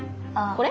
これ？